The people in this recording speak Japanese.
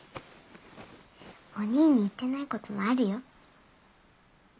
おにぃに言ってないこともあるよ。